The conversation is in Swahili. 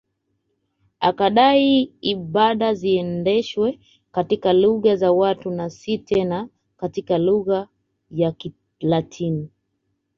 Akadai ibada ziendeshwe katika lugha za watu na si tena katika lugha ya Kilatini